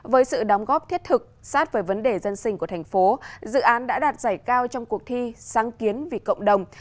với sự đóng góp thiết thực sát với vấn đề dân sinh của thành phố dự án đã đạt giải cao trong cuộc thi sáng kiến vì cộng đồng